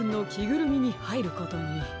ぐるみにはいることに。